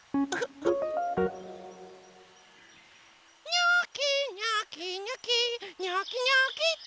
にょきにょきにょきにょきにょきと！